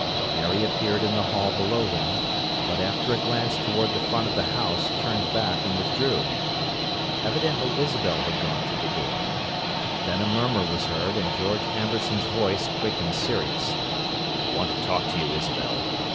Mary appeared in the hall below him, but, after a glance toward the front of the house, turned back, and withdrew. Evidently Isabel had gone to the door. Then a murmur was heard, and George Amberson's voice, quick and serious: "I want to talk to you, Isabel"...